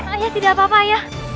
ayah tidak apa apa ayah